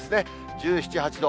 １７、８度。